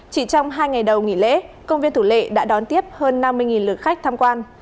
chỉ trong hai ngày đầu nghỉ lễ công viên thủ lệ đã đón tiếp hơn năm mươi lượt khách tham quan